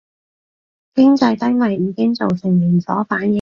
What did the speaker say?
經濟低迷已經造成連鎖反應